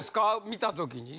見た時に。